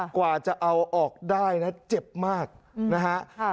กว่าจะเอาออกได้นะเจ็บมากนะฮะ